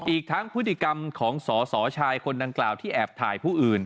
อีกทั้งพฤติกรรมของสอสอชายคนดังกล่าวที่แอบถ่ายผู้อื่น